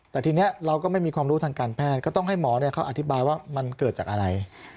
แต่ทีนี้เราก็ไม่มีความรู้ทางการแพทย์ก็ต้องให้หมอเขาอธิบายว่ามันเกิดจากอะไร